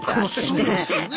そうですよね。